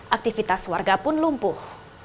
aktivitas warga pun lumpuh